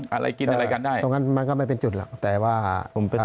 อะไรกินอะไรกันได้ตรงนั้นมันก็ไม่เป็นจุดหรอกแต่ว่าผมเป็น